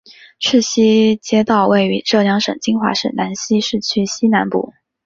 赤溪街道位于浙江省金华市兰溪市区西南部。